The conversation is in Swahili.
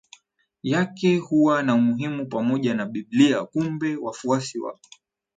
yake kuwa na umuhimu pamoja na Biblia Kumbe wafuasi wa